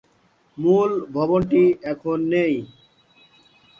মূল ভবনটি এখন নেই।